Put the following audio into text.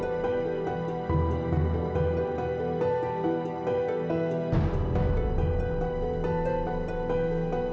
semoga namun mereka sudah tahu